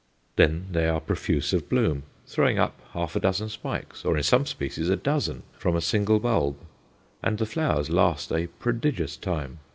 Then, they are profuse of bloom, throwing up half a dozen spikes, or, in some species, a dozen, from a single bulb, and the flowers last a prodigious time.